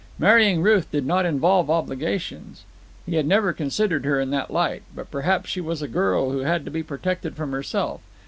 Marrying Ruth did not involve obligations. He had never considered her in that light, but perhaps she was a girl who had to be protected from herself.